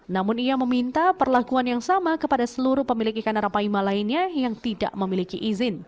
namun ia meminta perlakuan yang sama kepada seluruh pemilik ikan arapaima lainnya yang tidak memiliki izin